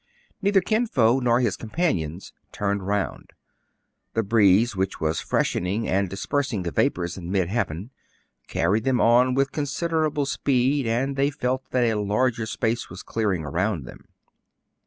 Neither Kin Fo nor his companions turned round. The breeze, which was freshening and dis persing the vapor in mid heaven, carried them on with considerable speed ; and they felt that a larger space was clearing around them.